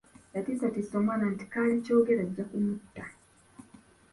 Yatiisatiisa omwana nti kaalikyogera ajja kumutta.